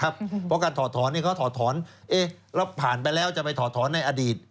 เพราะการถอดถอนเขาถอดถอนแล้วผ่านไปแล้วจะไปถอดถอนในอดีต